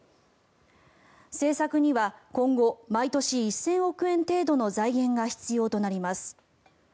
政策には今後毎年１０００億円程度の財源が必要となります。